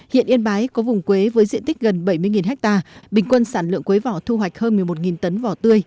hiện yên bái có vùng quế với diện tích gần bảy mươi ha bình quân sản lượng quế vỏ thu hoạch hơn một mươi một tấn vỏ tươi